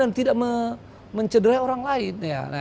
dan tidak mencederai orang lain